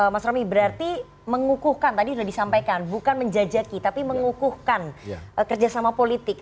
mas romi berarti mengukuhkan tadi sudah disampaikan bukan menjajaki tapi mengukuhkan kerjasama politik